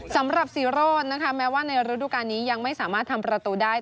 สำหรับซีโรธนะคะแม้ว่าในฤดูการนี้ยังไม่สามารถทำประตูได้